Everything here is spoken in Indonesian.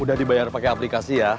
udah dibayar pakai aplikasi ya